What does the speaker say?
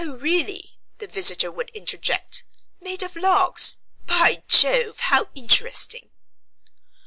"Oh, really," the visitor would interject, "made of logs. By Jove, how interesting!"